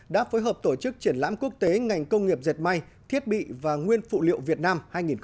đã phối hợp tổ chức triển lãm quốc tế ngành công nghiệp diệt may thiết bị và nguyên phụ liệu việt nam hai nghìn một mươi sáu